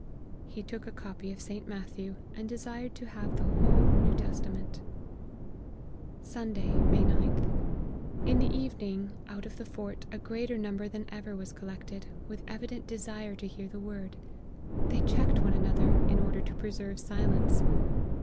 He took a copy of St. Matthew, and desired to have the whole New Testament 226 APPENDIX. " Sunday, May, 9th. In the evening, out of the fort, a greater number than ever was collected, with evident desire to hear the Word. They check ed one another, in order to preserve silence.